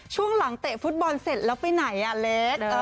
ช่วงหลังเตะฟุตบอลเสร็จแล้วไปไหนอ่ะเลส